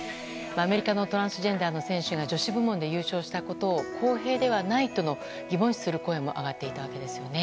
アメリカのトランスジェンダーの選手が女子部門で優勝したことを公平ではないと疑問視する声も上がっていたわけですよね。